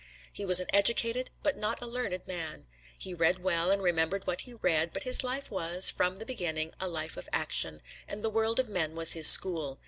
He was an educated, but not a learned man. He read well and remembered what he read, but his life was, from the beginning, a life of action, and the world of men was his school.